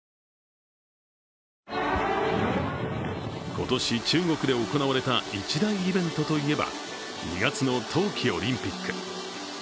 今年、中国で行われた一大イベントといえば２月の冬季オリンピック。